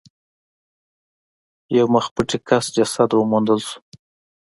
یو مخ پټي کس جسد وموندل شو.